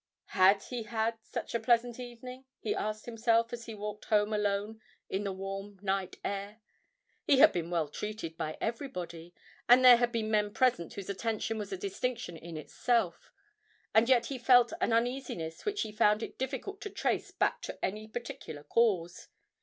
Had he had such a pleasant evening? he asked himself, as he walked home alone in the warm night air. He had been well treated by everybody, and there had been men present whose attention was a distinction in itself, and yet he felt an uneasiness which he found it difficult to trace back to any particular cause.